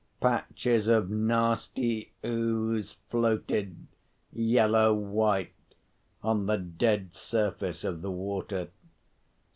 Patches of nasty ooze floated, yellow white, on the dead surface of the water.